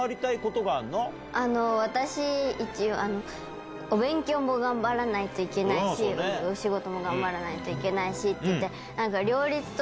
私一応お勉強も頑張らないといけないしお仕事も頑張らないといけない。